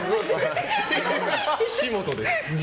岸本です。